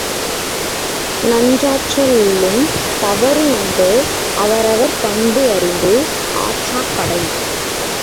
நன்றாற்ற லுள்ளும் தவறு உண்டு அவரவர் பண்பு அறிந்து ஆற்றாக் கடை.